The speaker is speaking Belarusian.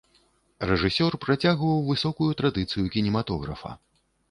Рэжысёр працягваў высокую традыцыю кінематографа.